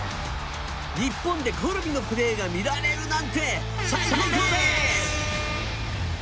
日本でコルビのプレーが見られるなんて最ＫＯＯでーす！